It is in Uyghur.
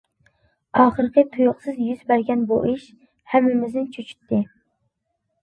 ئاخىرى تۇيۇقسىز يۈز بەرگەن بۇ ئىش ھەممىمىزنى چۆچۈتتى.